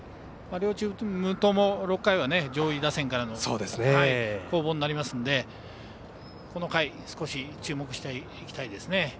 両チームとも６回は上位打線からになるのでこの回少し注目していきたいですね。